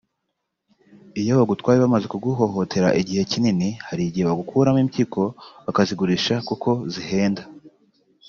[…] iyo bagutwaye bamaze kuguhohotera igihe kinini hari igihe bagukuramo impyiko bakazigurisha kuko zihenda